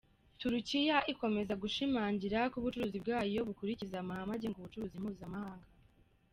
Turukiya ikomeza gushimangira ko ubucuruzi bwayo bukurikiza amahame agenga ubucuruzi mpuzamahanga.